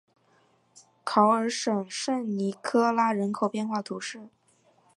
考尔什圣尼科拉人口变化图示